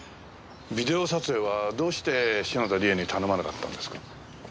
ビデオ撮影はどうして篠田理恵に頼まなかったんですか？